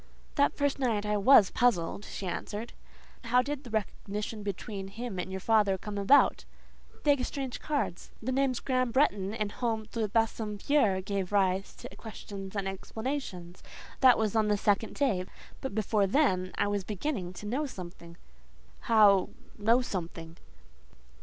"That first night I was puzzled," she answered. "How did the recognition between him and your father come about?" "They exchanged cards. The names Graham Bretton and Home de Bassompierre gave rise to questions and explanations. That was on the second day; but before then I was beginning to know something." "How—know something?"